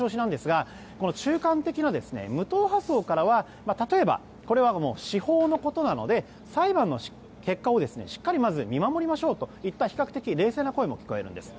あｇ中間的な無党派層からは例えば、これは司法のことなので裁判の結果をしっかり見守りましょうといった比較的、冷静な声も聞こえるんです。